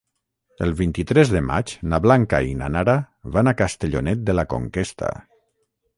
El vint-i-tres de maig na Blanca i na Nara van a Castellonet de la Conquesta.